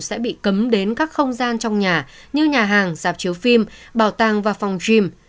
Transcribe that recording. sẽ bị cấm đến các không gian trong nhà như nhà hàng dạp chiếu phim bảo tàng và phòng dm